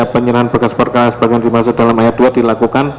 tiga penyerahan berkas perka sebagai masuk dalam ayat dua dilakukan